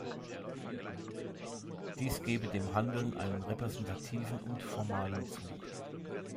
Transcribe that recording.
Dies gebe dem Handeln einen repräsentativen und formalen Zug.